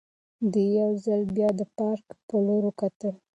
ده یو ځل بیا د پارک په لور وکتل.